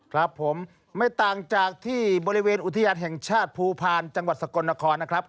ครับผมไม่ต่างจากที่บริเวณอุทยานแห่งชาติภูพาลจังหวัดสกลนครนะครับ